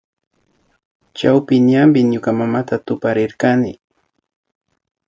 Chawpi ñanpimi ñuka mamata tuparirkani